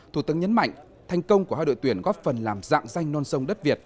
thủ tướng nhấn mạnh thành công của hai đội tuyển góp phần làm dạng danh non sông đất việt